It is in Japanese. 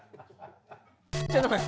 ちょっと待って。